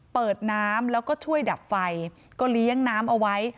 เปิดน้ำแล้วก็ช่วยดับไฟก็เลี้ยงน้ำเอาไว้